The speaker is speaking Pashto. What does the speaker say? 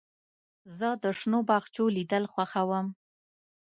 زه د شنو باغچو لیدل خوښوم.